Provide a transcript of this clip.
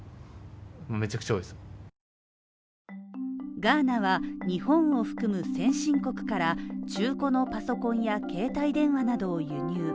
ガーナは日本を含む先進国から中古のパソコンや携帯電話などを輸入。